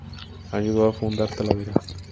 Ayudó a fundar Talavera.